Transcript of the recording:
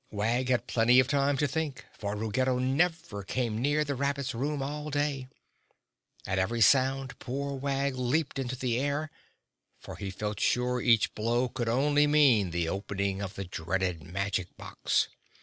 Wag had plenty of time to think, for Ruggedo never came near the rabbit's room all day. At every sound poor Wag leaped into the air, for he felt sure each blow could only mean the opening of the dreaded magic box.